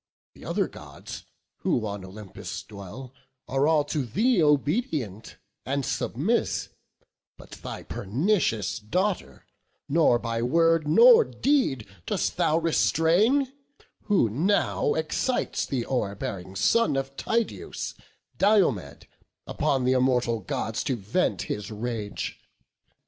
The other Gods, who on Olympus dwell, Are all to thee obedient and submiss; But thy pernicious daughter, nor by word Nor deed dost thou restrain; who now excites Th' o'erbearing son of Tydeus, Diomed, Upon th' immortal Gods to vent his rage.